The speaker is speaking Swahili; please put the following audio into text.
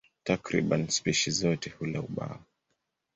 Takriban spishi zote hula ubao.